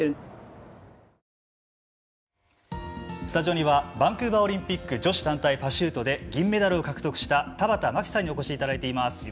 スタジオにはバンクーバーオリンピック女子団体パシュートで銀メダルを獲得した田畑真紀さんにお越しいただいています。